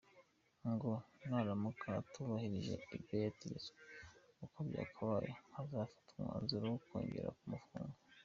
Ngo naramuka atubahirije ibyo yategetswe uko byakabaye hazafatwa umwanzuro wo kongera kumufunga.